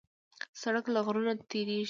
سړک له غرونو تېرېږي.